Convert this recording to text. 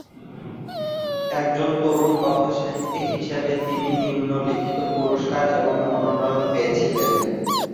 একজন তরুণ কথাসাহিত্যিক হিসাবে তিনি নিম্নলিখিত পুরস্কার এবং মনোনয়ন পেয়েছিলেন।